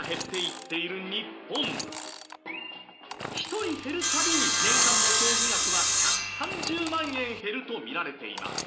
１人減るたびに年間の消費額は１３０万円減るとみられています。